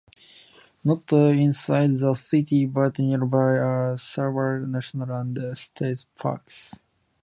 Not inside the city but nearby are several national and state parks.